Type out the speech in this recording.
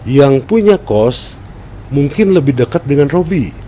yang punya kos mungkin lebih dekat dengan roby